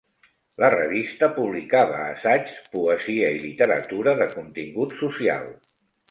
La revista publicava assaigs, poesia i literatura de contingut social.